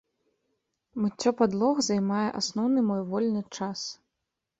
Мыццё падлог займае асноўны мой вольны час.